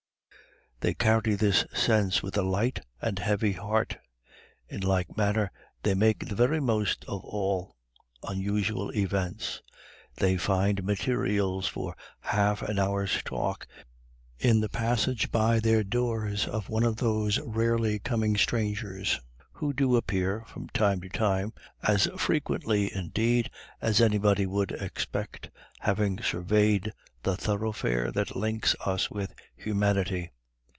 They carry this sense with a light and heavy heart. In like manner they make the very most of all unusual events. They find materials for half an hour's talk in the passage by their doors of one of those rarely coming strangers, who do appear from time to time, as frequently, indeed, as anybody would expect, having surveyed the thoroughfare that links us with humanity.